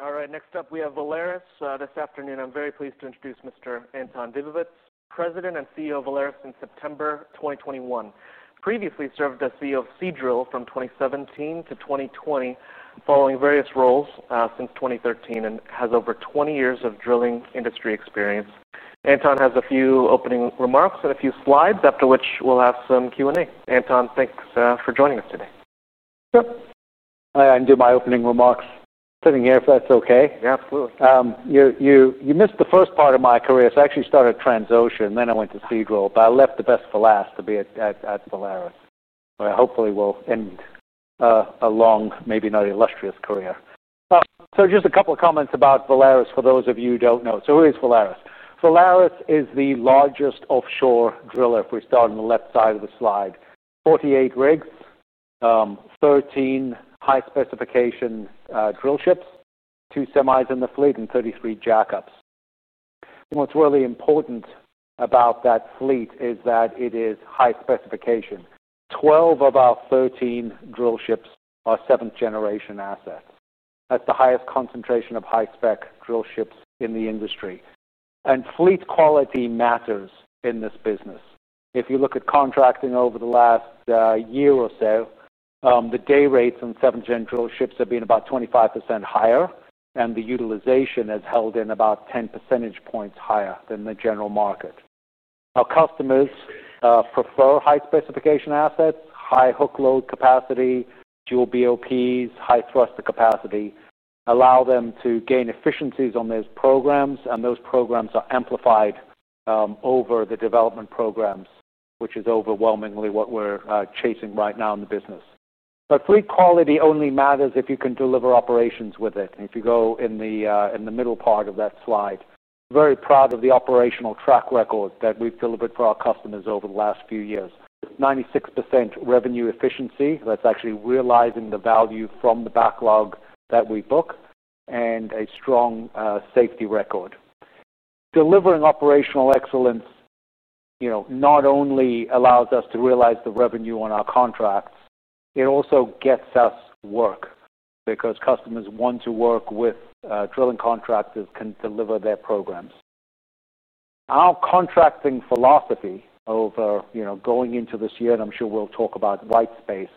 All right. Next up, we have Valaris. This afternoon, I'm very pleased to introduce Mr. Anton Dibowitz, President and CEO of Valaris since September 2021. Previously served as CEO of Seadrill from 2017- 2020, following various roles since 2013, and has over 20 years of drilling industry experience. Anton has a few opening remarks and a few slides, after which we'll have some Q&A. Anton, thanks for joining us today. Sure, I can do my opening remarks sitting here, if that's okay. Yeah, absolutely. You missed the first part of my career. I actually started at Transocean, then I went to Seadrill, but I left the best for last to be at Valaris, where I hopefully will end a long, maybe not illustrious career. Just a couple of comments about Valaris for those of you who don't know. Who is Valaris? Valaris is the largest offshore driller. If we start on the left side of the slide, 48 rigs, 13 high-specification drillships, two semisubmersibles in the fleet, and 33 jackups. What's really important about that fleet is that it is high specification. 12 of our 13 drillships are seventh-generation assets. That's the highest concentration of high-spec drillships in the industry. Fleet quality matters in this business. If you look at contracting over the last year or so, the day rates on seventh-generation drillships have been about 25% higher, and the utilization has held in about 10% percentage points higher than the general market. Our customers prefer high-specification assets, high hook load capacity, dual BOPs, high thruster capacity, allow them to gain efficiencies on those programs, and those programs are amplified over the development programs, which is overwhelmingly what we're chasing right now in the business. Fleet quality only matters if you can deliver operations with it. If you go in the middle part of that slide, very proud of the operational track record that we've delivered for our customers over the last few years. 96% revenue efficiency. That's actually realizing the value from the backlog that we book and a strong safety record. Delivering operational excellence not only allows us to realize the revenue on our contracts, it also gets us work because customers want to work with drilling contractors who can deliver their programs. Our contracting philosophy over going into this year, and I'm sure we'll talk about white space,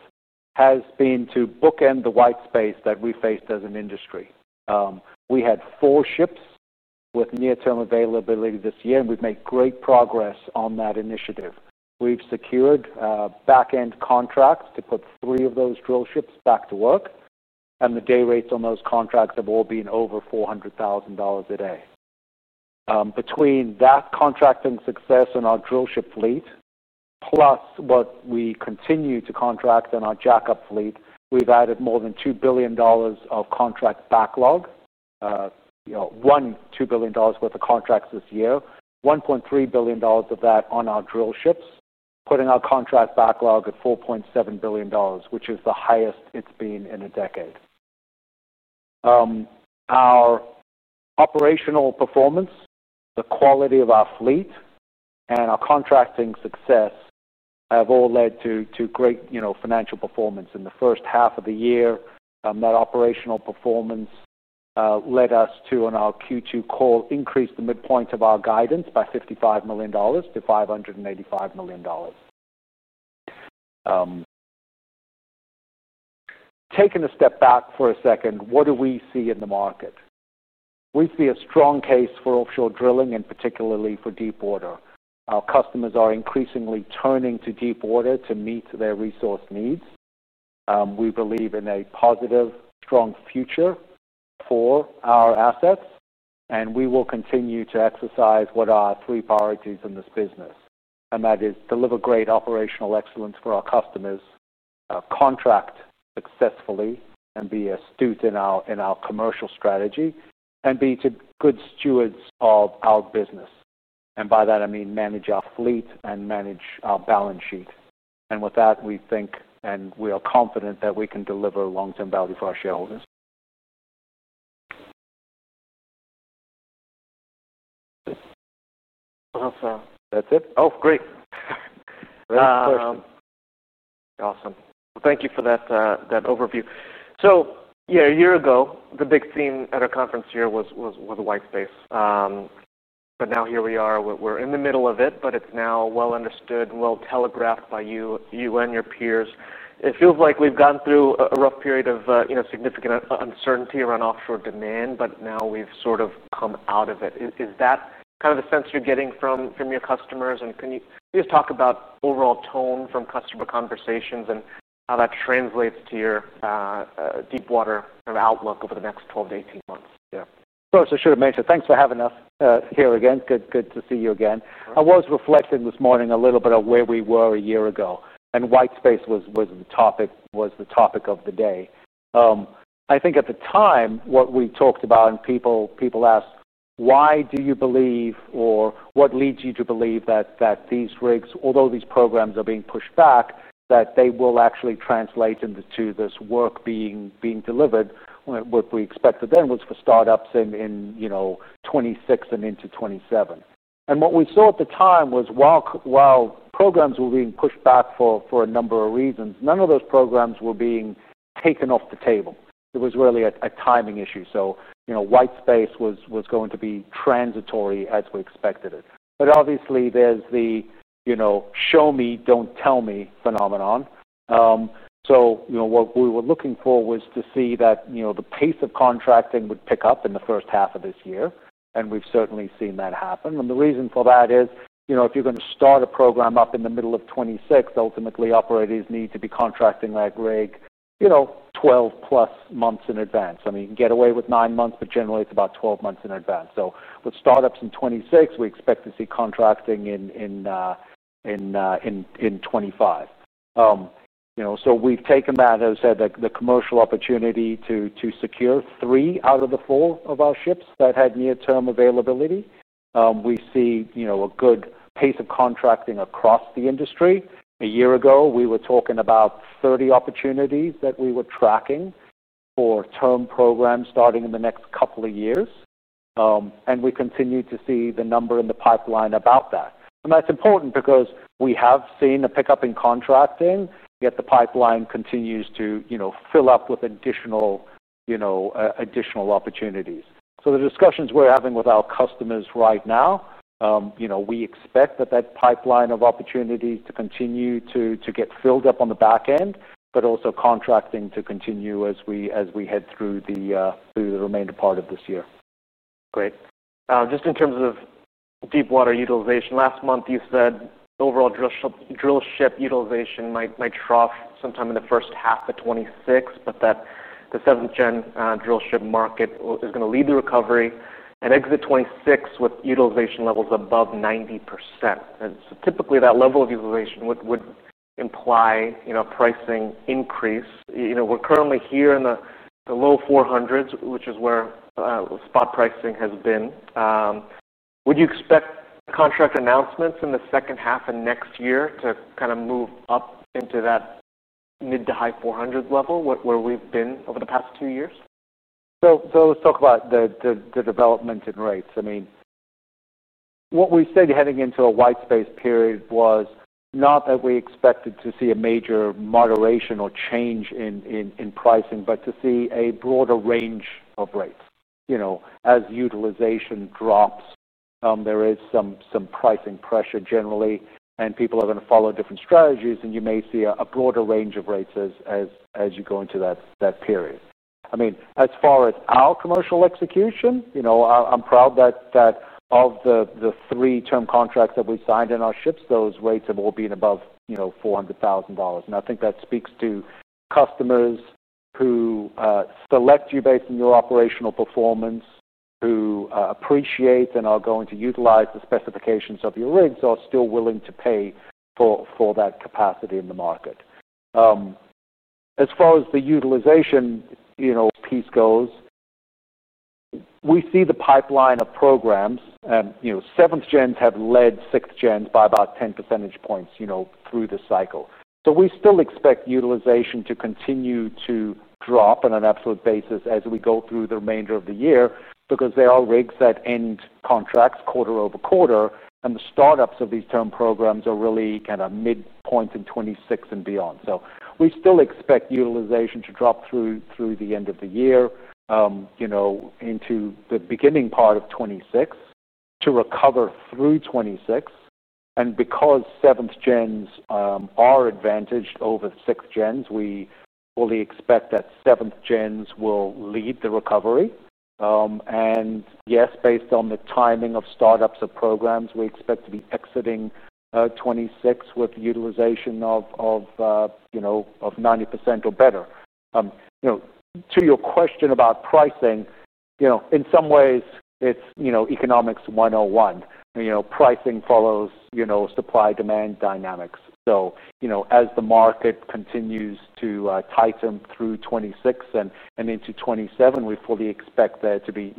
has been to bookend the white space that we faced as an industry. We had four ships with near-term availability this year, and we've made great progress on that initiative. We've secured back-end contracts to put three of those drillships back to work, and the day rates on those contracts have all been over $400,000 a day. Between that contracting success and our drillship fleet, plus what we continue to contract in our jackup fleet, we've added more than $2 billion of contract backlog. You know, won $2 billion worth of contracts this year, $1.3 billion of that on our drillships, putting our contract backlog at $4.7 billion, which is the highest it's been in a decade. Our operational performance, the quality of our fleet, and our contracting success have all led to great, you know, financial performance. In the first half of the year, that operational performance led us to, on our Q2 call, increase the midpoint of our guidance by $55 million to $585 million. Taking a step back for a second, what do we see in the market? We see a strong case for offshore drilling and particularly for deepwater. Our customers are increasingly turning to deepwater to meet their resource needs. We believe in a positive, strong future for our assets, and we will continue to exercise what are our three priorities in this business, and that is deliver great operational excellence for our customers, contract successfully, and be astute in our commercial strategy, and be good stewards of our business. By that, I mean manage our fleet and manage our balance sheet. With that, we think and we are confident that we can deliver long-term value for our shareholders. Awesome. That's it? Oh, great. Awesome. Awesome. Thank you for that overview. A year ago, the big theme at our conference here was the white space. Now here we are. We're in the middle of it, but it's now well understood and well telegraphed by you and your peers. It feels like we've gone through a rough period of significant uncertainty around offshore demand, but now we've sort of come out of it. Is that kind of the sense you're getting from your customers? Can you just talk about overall tone from customer conversations and how that translates to your deepwater kind of outlook over the next 12 months - 18 months? Yeah. Thanks for having us here again. Good to see you again. I was reflecting this morning a little bit on where we were a year ago, and white space was the topic of the day. I think at the time what we talked about, and people asked, "Why do you believe, or what leads you to believe that these rigs, although these programs are being pushed back, that they will actually translate into this work being delivered?" What we expected then was for startups in 2026 and into 2027. What we saw at the time was while programs were being pushed back for a number of reasons, none of those programs were being taken off the table. It was really a timing issue. White space was going to be transitory as we expected it. Obviously, there's the show me, don't tell me phenomenon. What we were looking for was to see that the pace of contracting would pick up in the first half of this year, and we've certainly seen that happen. The reason for that is, if you're going to start a program up in the middle of 2026, ultimately operators need to be contracting that rig 12+ months in advance. I mean, you can get away with nine months, but generally it's about 12 months in advance. With startups in 2026, we expect to see contracting in 2025. We've taken that, as I said, the commercial opportunity to secure three out of the four of our ships that had near-term availability. We see a good pace of contracting across the industry. A year ago, we were talking about 30 opportunities that we were tracking for term programs starting in the next couple of years. We continue to see the number in the pipeline about that. That's important because we have seen a pickup in contracting, yet the pipeline continues to fill up with additional opportunities. The discussions we're having with our customers right now, we expect that pipeline of opportunity to continue to get filled up on the back end, but also contracting to continue as we head through the remainder part of this year. Great. Just in terms of deepwater utilization, last month you said overall drillship utilization might trough sometime in the first half of 2026, but that the seventh-generation drillship market is going to lead the recovery and exit 2026 with utilization levels above 90%. Typically, that level of utilization would imply a pricing increase. We're currently here in the low $400,000s, which is where spot pricing has been. Would you expect contract announcements in the second half of next year to kind of move up into that mid to high $400,000s level where we've been over the past two years? Let's talk about the development in rates. What we said heading into a white space period was not that we expected to see a major moderation or change in pricing, but to see a broader range of rates. As utilization drops, there is some pricing pressure generally, and people are going to follow different strategies, and you may see a broader range of rates as you go into that period. As far as our commercial execution, I'm proud that of the three term contracts that we've signed in our ships, those rates have all been above $400,000. I think that speaks to customers who select you based on your operational performance, who appreciate and are going to utilize the specifications of your rigs or are still willing to pay for that capacity in the market. As far as the utilization piece goes, we see the pipeline of programs and seventh- gens have led sixth- gens by about 10% through this cycle. We still expect utilization to continue to drop on an absolute basis as we go through the remainder of the year because there are rigs that end contracts quarter- over- quarter, and the startups of these term programs are really kind of midpoint in 2026 and beyond. We still expect utilization to drop through the end of the year into the beginning part of 2026 to recover through 2026. Because seventh gens are advantaged over sixth- gens, we fully expect that seventh- gens will lead the recovery. Yes, based on the timing of startups of programs, we expect to be exiting 2026 with utilization of 90% or better. To your question about pricing, in some ways it's economics 101. Pricing follows supply-demand dynamics. As the market continues to tighten through 2026 and into 2027, we fully expect there to be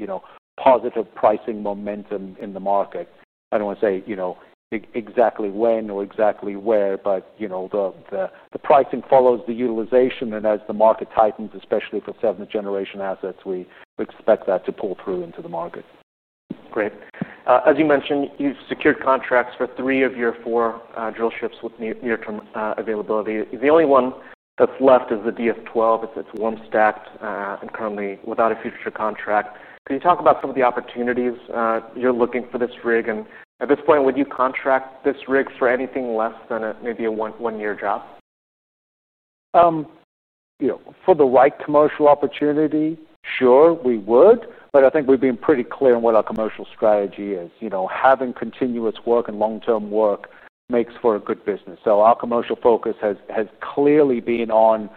positive pricing momentum in the market. I don't want to say exactly when or exactly where, but the pricing follows the utilization, and as the market tightens, especially for seventh-generation assets, we expect that to pull through into the market. Great. As you mentioned, you've secured contracts for three of your four drillships with near-term availability. The only one that's left is the DS-12. It's stacked and currently without a future contract. Can you talk about some of the opportunities you're looking for this rig? At this point, would you contract this rig for anything less than maybe a one-year job? You know, for the right commercial opportunity, sure, we would, but I think we've been pretty clear on what our commercial strategy is. Having continuous work and long-term work makes for a good business. Our commercial focus has clearly been on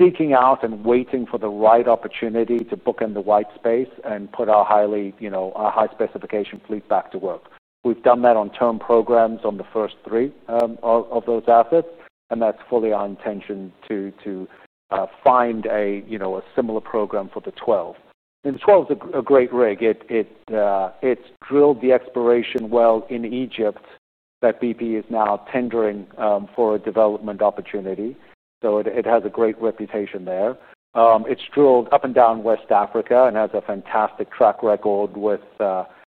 seeking out and waiting for the right opportunity to book in the white space and put our high-specification fleet back to work. We've done that on term programs on the first three of those assets, and that's fully our intention to find a similar program for the 12. The 12 is a great rig. It's drilled the exploration well in Egypt that BP is now tendering for a development opportunity, so it has a great reputation there. It's drilled up and down West Africa and has a fantastic track record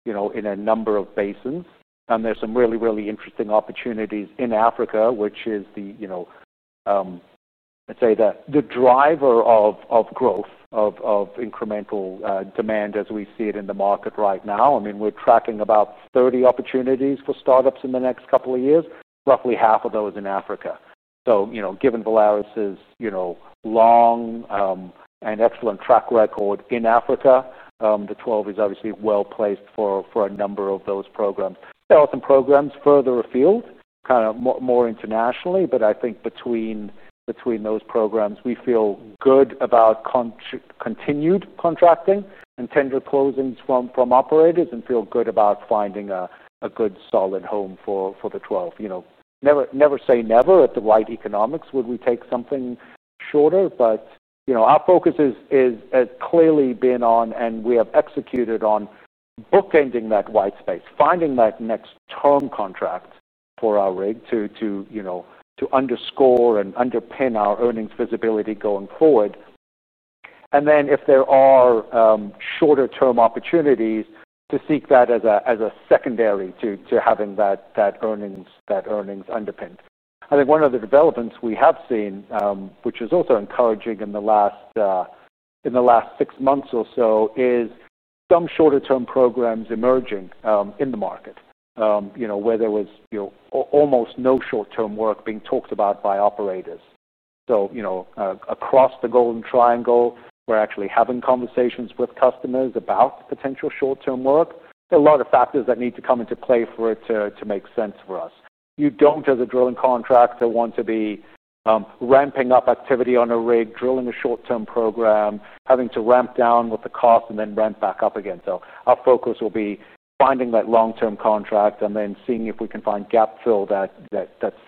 in a number of basins. There are some really interesting opportunities in Africa, which is the driver of growth of incremental demand as we see it in the market right now. We're tracking about 30 opportunities for startups in the next couple of years, roughly half of those in Africa. Given Valaris's long and excellent track record in Africa, the 12 is obviously well placed for a number of those programs. There are some programs further afield, more internationally, but I think between those programs, we feel good about continued contracting and tender closings from operators and feel good about finding a good solid home for the 12. Never say never at the right economics would we take something shorter, but our focus has clearly been on, and we have executed on, bookending that white space, finding that next term contract for our rig to underscore and underpin our earnings visibility going forward. If there are shorter-term opportunities, to seek that as a secondary to having that earnings underpin. I think one of the developments we have seen, which is also encouraging in the last six months or so, is some shorter-term programs emerging in the market, where there was almost no short-term work being talked about by operators. Across the golden triangle, we're actually having conversations with customers about the potential short-term work. There are a lot of factors that need to come into play for it to make sense for us. You don't, as a drilling contractor, want to be ramping up activity on a rig, drilling a short-term program, having to ramp down with the cost and then ramp back up again. Our focus will be finding that long-term contract and then seeing if we can find gap fill that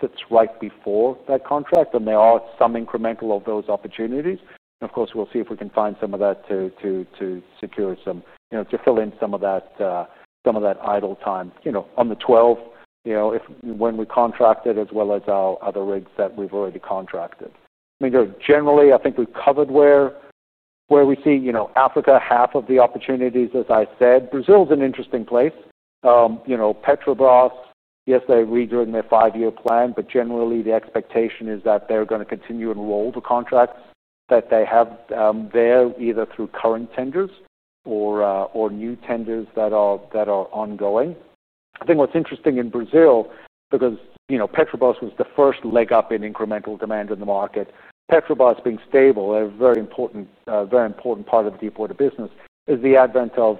sits right before that contract, and there are some incremental opportunities. Of course, we'll see if we can find some of that to secure some, you know, to fill in some of that idle time, you know, on the 12, you know, if, when we contract it as well as our other rigs that we've already contracted. I mean, generally, I think we've covered where we've seen, you know, Africa, half of the opportunities, as I said. Brazil's an interesting place. You know, Petrobras, yes, they're redoing their five-year plan, but generally the expectation is that they're going to continue and roll the contracts that they have there, either through current tenders or new tenders that are ongoing. I think what's interesting in Brazil because, you know, Petrobras was the first leg up in incremental demand in the market. Petrobras being stable, a very important part of the deepwater business is the advent of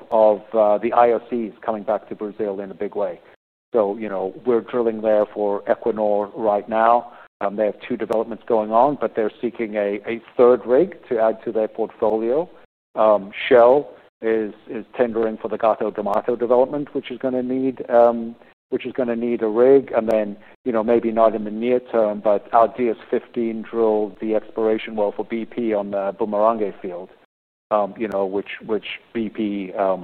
the IOCs coming back to Brazil in a big way. We're drilling there for Equinor right now. They have two developments going on, but they're seeking a third rig to add to their portfolio. Shell is tendering for the Gato do Mato development, which is going to need a rig. Maybe not in the near term, but our DS-15 drilled the exploration well for BP on the Bumerangue field, which BP, I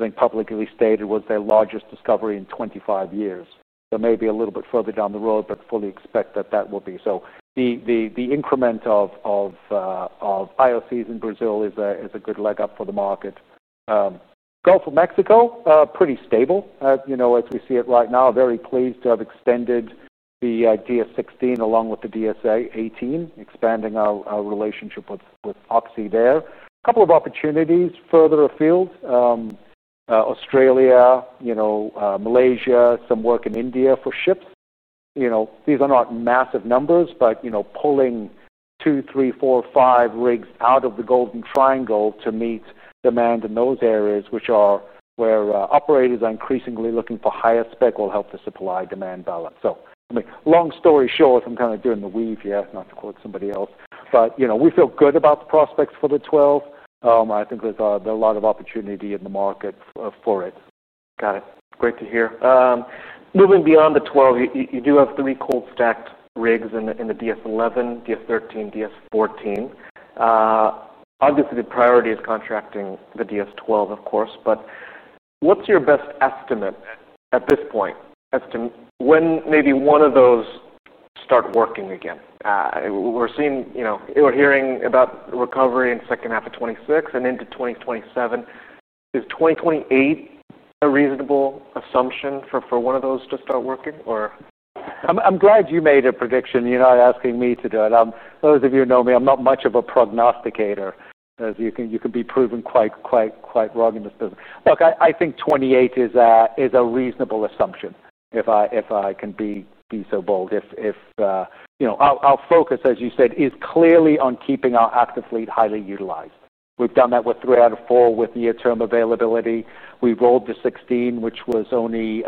think, publicly stated was their largest discovery in 25 years. There may be a little bit further down the road, but fully expect that that will be. The increment of IOCs in Brazil is a good leg up for the market. Gulf of Mexico, pretty stable, you know, as we see it right now. Very pleased to have extended the DS-16 along with the DS-18, expanding our relationship with Oxy there. A couple of opportunities further afield. Australia, Malaysia, some work in India for ships. These are not massive numbers, but pulling two, three, four, five rigs out of the Golden Triangle to meet demand in those areas, which are where operators are increasingly looking for higher spec, will help the supply-demand balance. Long story short, we feel good about the prospects for the 12. I think there are a lot of opportunity in the market for it. Got it. Great to hear. Moving beyond the 12, you do have three cold-stacked rigs in the DS-11, DS-13, DS-14. Obviously the priority is contracting the DS-12, of course, but what's your best estimate at this point as to when maybe one of those start working again? We're seeing, you know, we're hearing about recovery in the second half of 2026 and into 2027. Is 2028 a reasonable assumption for one of those to start working or? I'm glad you made a prediction. You're not asking me to do it. Those of you who know me, I'm not much of a prognosticator, as you can be proven quite, quite wrong in this business. Look, I think 2028 is a reasonable assumption if I can be so bold. If, you know, our focus, as you said, is clearly on keeping our active fleet highly utilized. We've done that with three out of four with near-term availability. We rolled the 16, which was only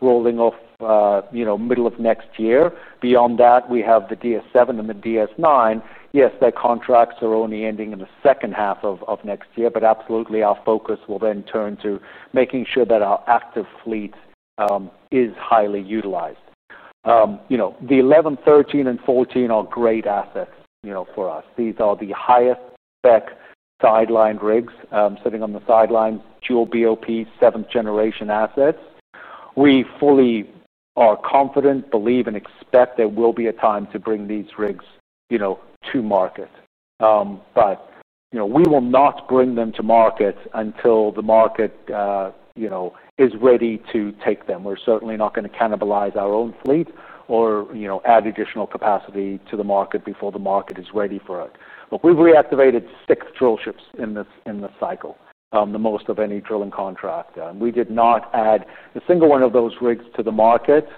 rolling off, you know, middle of next year. Beyond that, we have the DS-7 and the DS-9. Yes, their contracts are only ending in the second half of next year, but absolutely our focus will then turn to making sure that our active fleet is highly utilized. You know, the 11, 13, and 14 are great assets for us. These are the highest spec rigs sitting on the sidelines, dual BOP seventh-generation assets. We fully are confident, believe, and expect there will be a time to bring these rigs to market. You know, we will not bring them to market until the market is ready to take them. We're certainly not going to cannibalize our own fleet or add additional capacity to the market before the market is ready for it. We've reactivated six drillships in this cycle, the most of any drilling contractor. We did not add a single one of those rigs to the market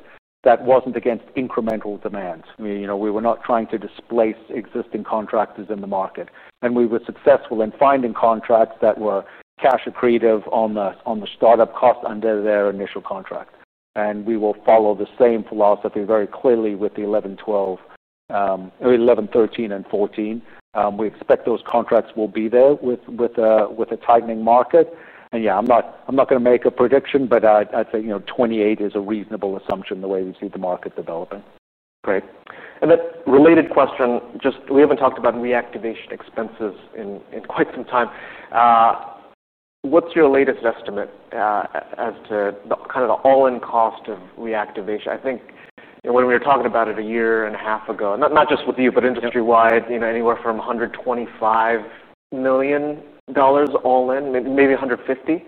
that wasn't against incremental demand. We were not trying to displace existing contractors in the market. We were successful in finding contracts that were cash accretive on the startup cost under their initial contract. We will follow the same philosophy very clearly with the 11, 13, and 14. We expect those contracts will be there with a tightening market. I'm not going to make a prediction, but I'd say, you know, 2028 is a reasonable assumption the way we see the market developing. Great. Related question, we haven't talked about reactivation expenses in quite some time. What's your latest estimate as to kind of the all-in cost of reactivation? I think, you know, when we were talking about it a year and a half ago, not just with you but industry-wide, you know, anywhere from $125 million all in, maybe $150 million.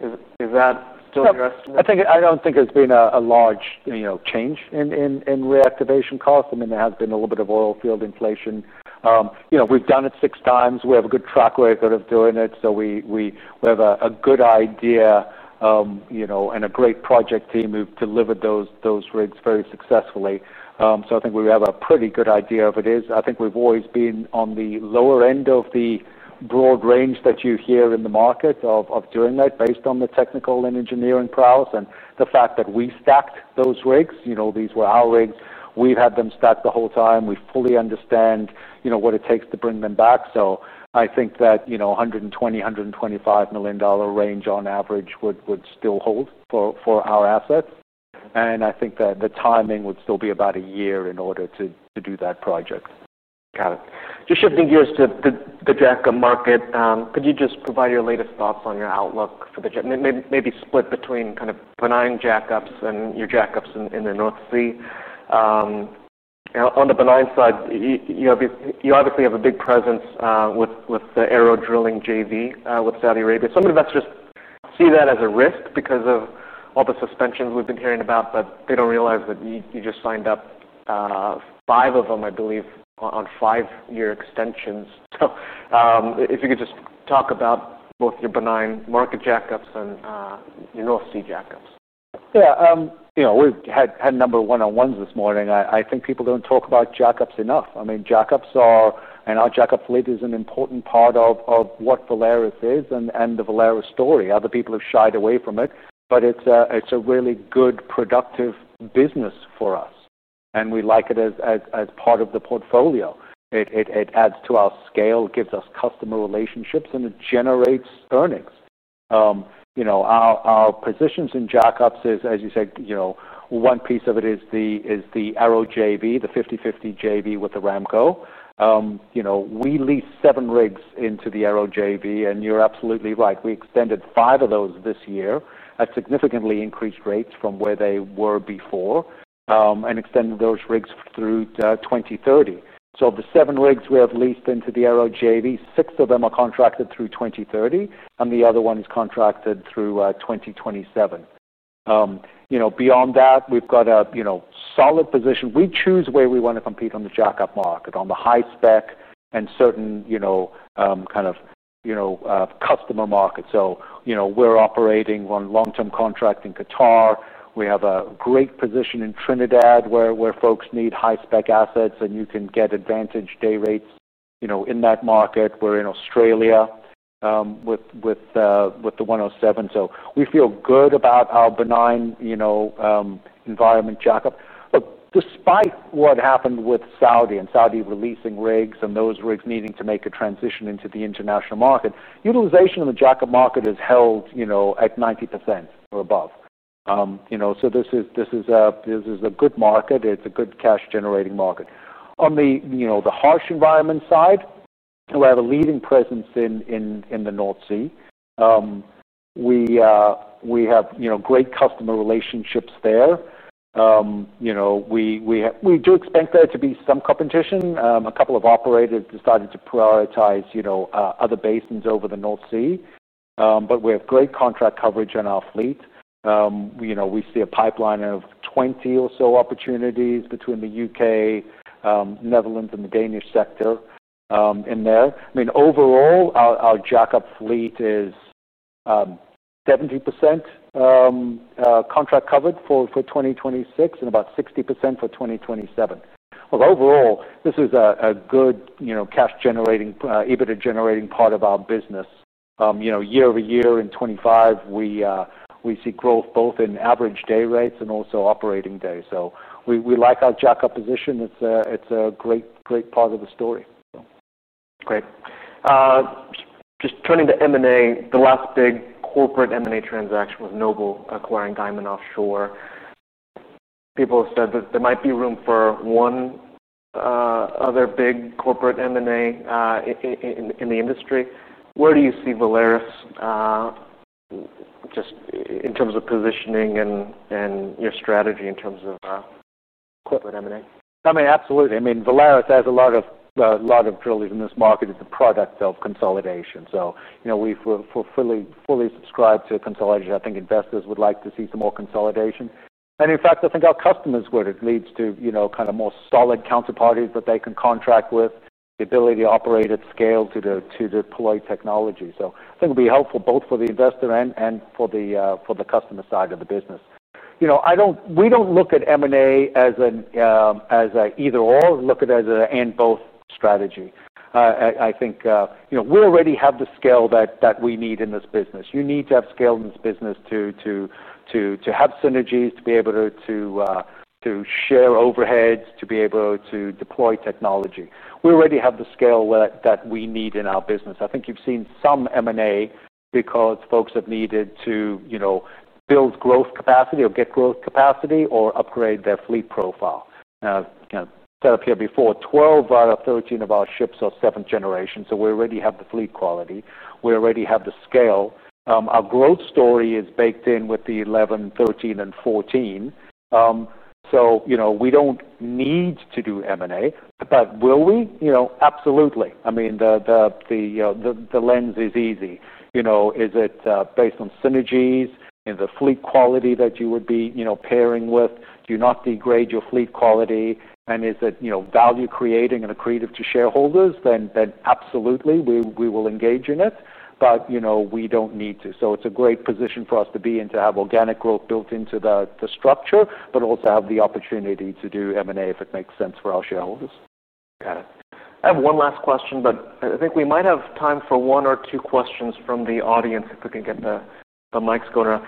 Is that still your estimate? I don't think it's been a large change in reactivation cost. I mean, there has been a little bit of oil field inflation. We've done it 6x. We have a good track record of doing it. We have a good idea, you know, and a great project team. We've delivered those rigs very successfully. I think we have a pretty good idea of it. I think we've always been on the lower end of the broad range that you hear in the market of doing that based on the technical and engineering prowess and the fact that we stacked those rigs. These were our rigs. We've had them stacked the whole time. We fully understand what it takes to bring them back. I think that $120 million- $125 million range on average would still hold for our assets. I think that the timing would still be about a year in order to do that project. Got it. Just shifting gears to the jackup market. Could you just provide your latest thoughts on your outlook for the jackup? Maybe split between kind of benign jackups and your jackups in the North Sea. You know, on the benign side, you obviously have a big presence with the ARO Drilling JV with Saudi Aramco. Some investors see that as a risk because of all the suspensions we've been hearing about, but they don't realize that you just signed up five of them, I believe, on five-year extensions. If you could just talk about both your benign market jackups and your North Sea jackups. Yeah, you know, we had number one-on-ones this morning. I think people don't talk about jackups enough. I mean, jackups are, and our jackup fleet is an important part of what Valaris is and the Valaris story. Other people have shied away from it, but it's a really good productive business for us. We like it as part of the portfolio. It adds to our scale, gives us customer relationships, and it generates earnings. You know, our positions in jackups is, as you said, one piece of it is the ARO Drilling JV, the 50/50 JV with Saudi Aramco. You know, we lease seven rigs into the ARO Drilling JV, and you're absolutely right. We extended five of those this year at significantly increased rates from where they were before, and extended those rigs through 2030. Of the seven rigs we have leased into the ARO Drilling JV, six of them are contracted through 2030, and the other one is contracted through 2027. Beyond that, we've got a solid position. We choose where we want to compete on the jackup market, on the high spec and certain customer markets. We're operating on long-term contract in Qatar. We have a great position in Trinidad where folks need high spec assets, and you can get advantage day rates in that market. We're in Australia with the 107. We feel good about our benign environment jackup. Look, despite what happened with Saudi and Saudi releasing rigs and those rigs needing to make a transition into the international market, utilization of the jackup market has held at 90% or above. This is a good market. It's a good cash-generating market. On the harsh environment side, we have a leading presence in the North Sea. We have great customer relationships there. We do expect there to be some competition. A couple of operators decided to prioritize other basins over the North Sea, but we have great contract coverage on our fleet. We see a pipeline of 20 or so opportunities between the UK, Netherlands, and the Danish sector in there. Overall, our jackup fleet is 70% contract covered for 2026 and about 60% for 2027. This is a good cash-generating, EBITDA-generating part of our business. Year- over- year in 2025, we see growth both in average day rates and also operating days. We like our jackup position. It's a great, great part of the story. Great. Just turning to M&A, the last big corporate M&A transaction with Noble acquiring Diamond Offshore. People have said that there might be room for one other big corporate M&A in the industry. Where do you see Valaris, just in terms of positioning and your strategy in terms of corporate M&A? Absolutely. Valaris has a lot of drillers in this market. It's a product of consolidation. We fully subscribe to consolidation. I think investors would like to see some more consolidation. In fact, I think our customers would. It leads to more solid counterparties that they can contract with, the ability to operate at scale to deploy technology. I think it would be helpful both for the investor and for the customer side of the business. We don't look at M&A as an either/or, we look at it as an and/both strategy. I think we already have the scale that we need in this business. You need to have scale in this business to have synergies, to be able to share overheads, to be able to deploy technology. We already have the scale that we need in our business. I think you've seen some M&A because folks have needed to build growth capacity or get growth capacity or upgrade their fleet profile. Now, again, said it here before, 12 out of 13 of our ships are seventh-generation. We already have the fleet quality. We already have the scale. Our growth story is baked in with the 11, 13, and 14. We don't need to do M&A, but will we? Absolutely. The lens is easy. Is it based on synergies in the fleet quality that you would be pairing with? Do you not degrade your fleet quality? Is it value creating and accretive to shareholders? Then absolutely, we will engage in it. We don't need to. It's a great position for us to be in to have organic growth built into the structure, but also have the opportunity to do M&A if it makes sense for our shareholders. Got it. I have one last question, but I think we might have time for one or two questions from the audience if we can get the mics going around.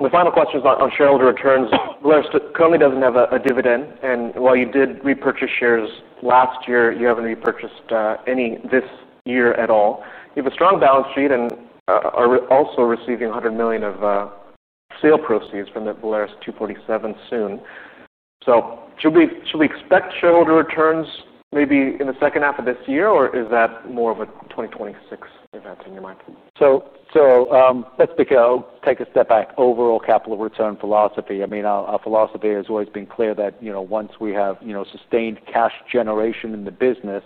The final question is on shareholder returns. Valaris currently doesn't have a dividend, and while you did repurchase shares last year, you haven't repurchased any this year at all. You have a strong balance sheet and are also receiving $100 million of sale proceeds from the Valaris 247 soon. Should we expect shareholder returns maybe in the second half of this year, or is that more of a 2026 event in your mind? Let's take a step back. Overall capital return philosophy. I mean, our philosophy has always been clear that, you know, once we have sustained cash generation in the business,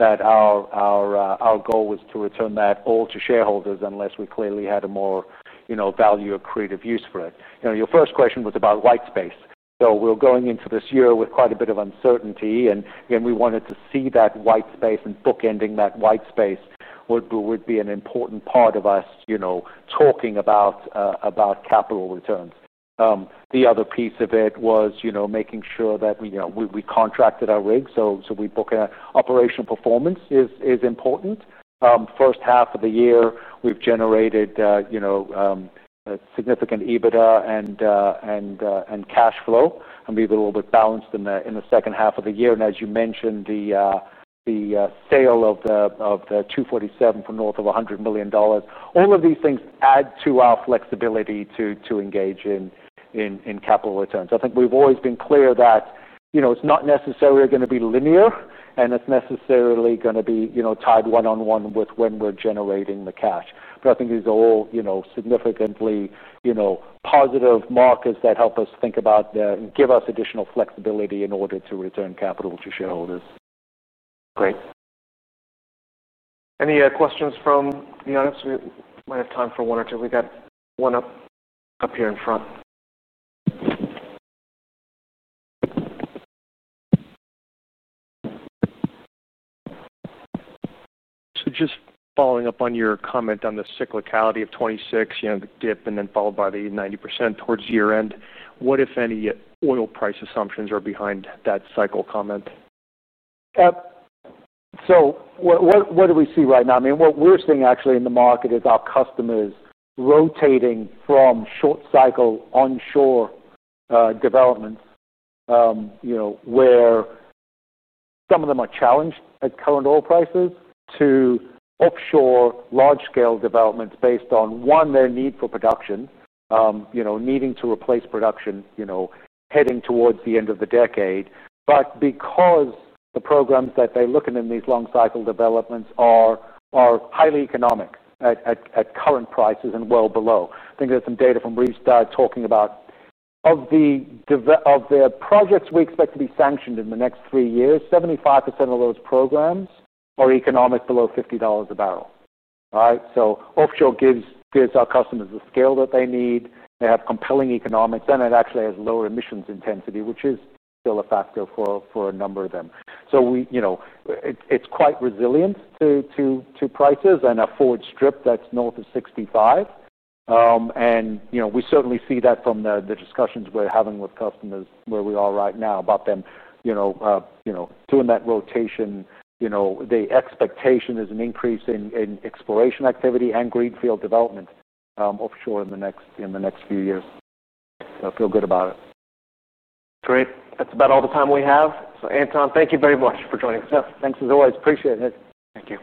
our goal is to return that all to shareholders unless we clearly had a more, you know, value or creative use for it. You know, your first question was about white space. We're going into this year with quite a bit of uncertainty, and we wanted to see that white space and bookending that white space would be an important part of us talking about capital returns. The other piece of it was making sure that we contracted our rigs. We book operational performance, which is important. First half of the year, we've generated a significant EBITDA and cash flow, and we've been a little bit balanced in the second half of the year. As you mentioned, the sale of the 247 for north of $100 million, all of these things add to our flexibility to engage in capital returns. I think we've always been clear that it's not necessarily going to be linear, and it's necessarily going to be tied one-on-one with when we're generating the cash. I think these are all significantly positive markers that help us think about and give us additional flexibility in order to return capital to shareholders. Great. Any questions from the audience? We might have time for one or two. We've got one up here in front. Just following up on your comment on the cyclicality of 2026, the dip and then followed by the 90% towards year end. What, if any, oil price assumptions are behind that cycle comment? What do we see right now? I mean, what we're seeing actually in the market is our customers rotating from short cycle onshore developments, where some of them are challenged at current oil prices, to offshore large scale developments based on, one, their need for production, needing to replace production heading towards the end of the decade. The programs that they look at in these long cycle developments are highly economic at current prices and well below. I think there's some data from RESTAR talking about the development of their projects we expect to be sanctioned in the next three years, 75% of those programs are economic below $50 a barrel. Offshore gives our customers the scale that they need. They have compelling economics, and it actually has lower emissions intensity, which is still a factor for a number of them. It's quite resilient to prices and a forward strip that's north of $65 million. We certainly see that from the discussions we're having with customers where we are right now about them doing that rotation. The expectation is an increase in exploration activity and greenfield development offshore in the next few years. I feel good about it. Great. That's about all the time we have. Anton, thank you very much for joining us. Yeah, thanks as always. Appreciate it. Thank you.